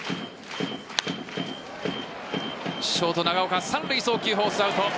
ショート・長岡三塁送球、フォースアウト。